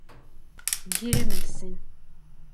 Giremezsin.